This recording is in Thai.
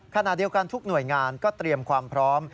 ขณะเดียวกันทุกหน่วยงานก็เตรียมความพร้อม